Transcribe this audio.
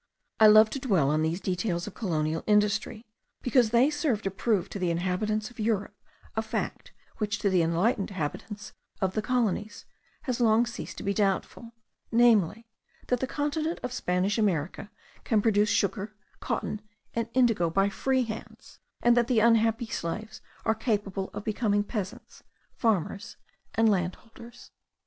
I love to dwell on these details of colonial industry, because they serve to prove to the inhabitants of Europe, a fact which to the enlightened inhabitants of the colonies has long ceased to be doubtful, namely, that the continent of Spanish America can produce sugar, cotton, and indigo by free hands, and that the unhappy slaves are capable of becoming peasants, farmers, and landholders.